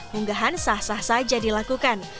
munggahan sah sah saja dilakukan